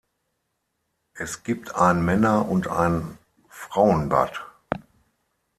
Es gibt ein Männer- und ein Frauenbad.